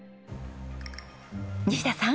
西田さん。